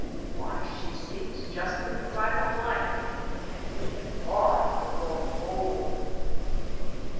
Why, she seems just in the prime of life, and we had thought her growing old.